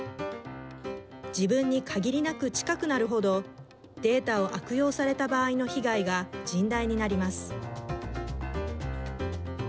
自分に限りなく近くなるほどデータを悪用された場合の被害が甚大になります。